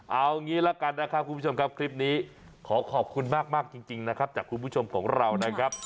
เอางี้ละกันนะครับคุณผู้ชมครับคลิปนี้ขอขอบคุณมากจริงนะครับจากคุณผู้ชมของเรานะครับ